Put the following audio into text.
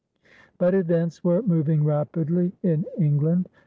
But events were moving rapidly in England.